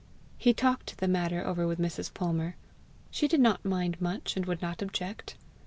He talked the matter over with Mrs. Palmer. She did not mind much, and would not object.